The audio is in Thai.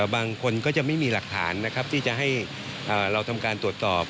บางคนก็จะไม่มีหลักฐานนะครับที่จะให้เราทำการตรวจสอบ